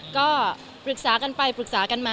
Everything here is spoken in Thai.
ก็ปรึกษากันไปปรึกษากันมา